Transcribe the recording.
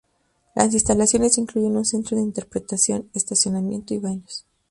Las instalaciones incluyen un centro de interpretación, estacionamiento y baños.